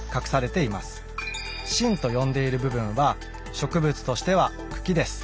「芯」と呼んでいる部分は植物としては「茎」です。